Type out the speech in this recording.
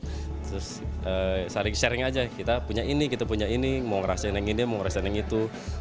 terus saling sharing aja kita punya ini kita punya ini mau ngerasain yang ini mau ngerasain yang itu